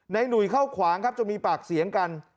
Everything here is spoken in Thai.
หนุ่ยเข้าขวางครับจนมีปากเสียงกัน